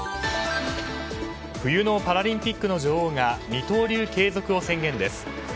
冬のパラリンピックの女王が二刀流継続を宣言です。